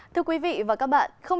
thưa quý vị và các bạn